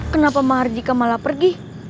kenapa mahardika malah pergi